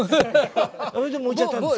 それで燃えちゃったんですか？